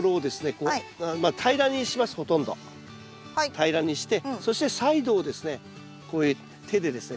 平らにしてそしてサイドをですねこう手でですね